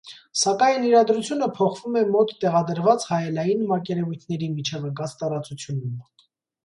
Սակայն իրադրությունը փոխվում է մոտ տեղադրված հայելային մակերևույթների միջև ընկած տարածությունում։